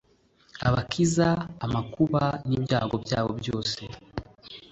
abakiza amakuba n’ibyago byabo byose.